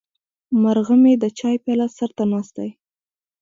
مرغه مې د چای پیاله سر ته ناست دی.